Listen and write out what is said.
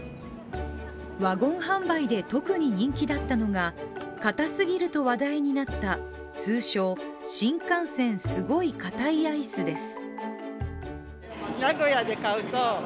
ワゴン販売で特に人気だったのが硬すぎると話題になった通称シンカンセンスゴイカタイアイスです。